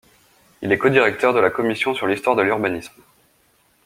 Il est codirecteur de la commission sur l’histoire de l’urbanisme.